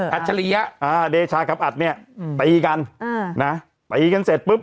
เอออัชริยะอ่าเดชากับอัดเนี้ยอืมตีกันอืมนะตีกันเสร็จปุ๊บ